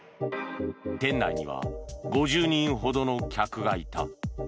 店内には５０人ほどの客がいた。